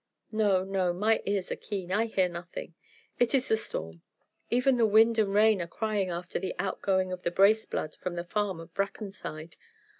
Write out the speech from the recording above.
"No, no; my ears are keen; I hear nothing. It is the storm. Even the wind and rain are crying after the out going of the Brace blood from the farm of Brackenside.